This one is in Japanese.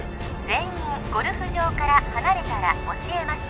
全員ゴルフ場から離れたら教えます